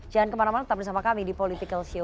jangan kemana mana tetap bersama kami di politikalshow